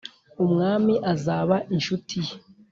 umwami azaba incuti ye